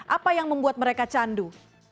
apa yang membuat mereka candu